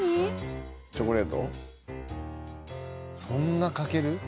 そんなかける？